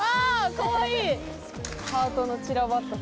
かわいい！